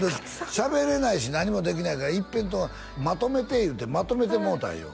しゃべれないし何もできないから一遍まとめて言うてまとめてもろたんよ